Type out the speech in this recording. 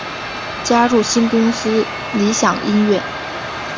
加入新公司理响音乐。